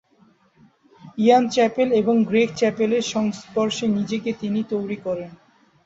ইয়ান Chappell এবং Greg চ্যাপেলের সংস্পর্শে নিজেকে তিনি তৈরী করেন।